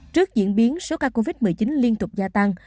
trước diễn biến số ca covid một mươi chín liên tục gia tăng